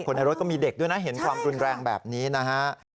ในรถก็มีเด็กด้วยนะเห็นความรุนแรงแบบนี้นะฮะ